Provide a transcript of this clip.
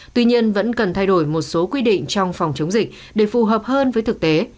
tuy nhiên vẫn cần thay đổi một số quy định trong phòng chống dịch để phù hợp hơn với thực tế